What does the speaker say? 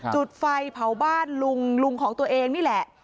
จุดไฟเผาบ้านลุงลุงของตัวเองนี่แหละ